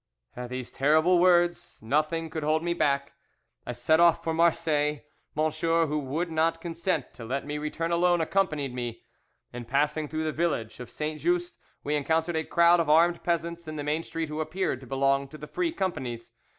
"At these terrible words nothing could hold me back. I set off for Marseilles. M______ who would not consent to let me return alone, accompanied me. In passing through the village of Saint Just we encountered a crowd of armed peasants in the main street who appeared to belong to the free companies.